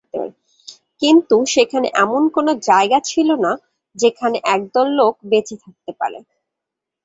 কিন্তু সেখানে এমন কোন জায়গা ছিল না যেখানে একদল লোক বেঁচে থাকতে পারে।